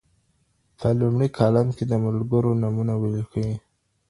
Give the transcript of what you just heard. په لومړی کالم کی د ملګرو نومونه وليکئ